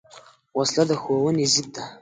وسله د ښوونې ضد ده